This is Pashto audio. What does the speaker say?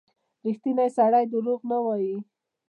• ریښتینی سړی دروغ نه وايي.